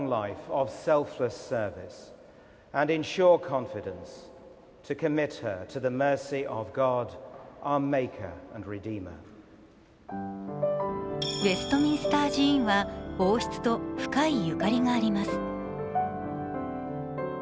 ウェストミンスター寺院は王室と深いゆかりがあります。